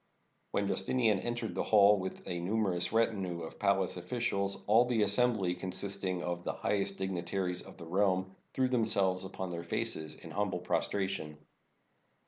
When Justinian entered the hall with a numerous retinue of palace officials, all the assembly, consisting of the highest dignitaries of the realm, threw themselves upon their faces in humble prostration.